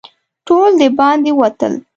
ټول د باندې ووتل.